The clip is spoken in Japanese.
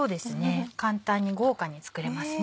簡単に豪華に作れます。